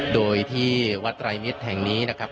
โดยที่วัดไตรมิตรแห่งนี้นะครับ